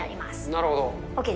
なるほど。